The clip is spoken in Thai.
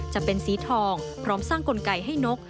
จะเป็นสีทองพร้อมสร้างกลไกให้นก